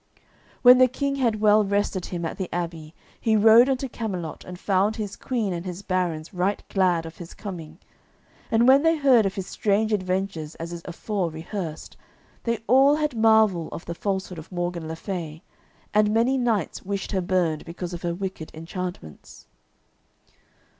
When the King had well rested him at the abbey, he rode unto Camelot, and found his Queen and his barons right glad of his coming. And when they heard of his strange adventures as is afore rehearsed, they all had marvel of the falsehood of Morgan le Fay, and many knights wished her burned because of her wicked enchantments.